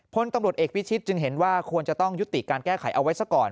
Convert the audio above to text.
พลตำรวจเอกพิชิตจึงเห็นว่าควรจะต้องยุติการแก้ไขเอาไว้ซะก่อน